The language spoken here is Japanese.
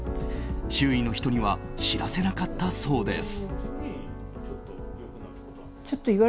周囲の人には知らせなかったそうです。